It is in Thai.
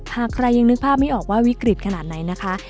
หากใครยังนึกภาพไม่ออกว่าวิกฤตขนาดไหนนะคะ